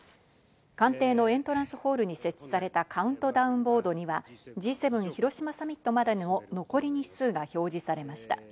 官邸のエントランスホールに設置されたカウントダウンボードにはＧ７広島サミットまでの残り日数が表示されました。